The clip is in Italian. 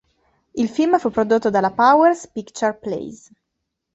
Il film fu prodotto dalla Powers Picture Plays.